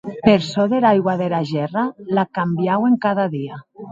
Per çò dera aigua dera gèrra, l'ac cambiauen cada dia.